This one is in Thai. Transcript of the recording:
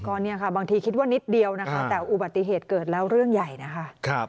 ก็เนี่ยค่ะบางทีคิดว่านิดเดียวนะคะแต่อุบัติเหตุเกิดแล้วเรื่องใหญ่นะคะ